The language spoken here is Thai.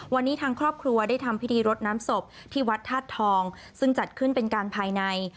วันนี้ทางครอบครัวได้ทำพิธีรดน้ำศพที่วัดธาตุทองซึ่งจัดขึ้นเป็นการภายใน